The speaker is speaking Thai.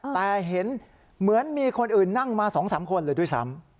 แต่เห็นเหมือนมีคนอื่นนั่งมา๒๓คนเลยด้วยซ้ำ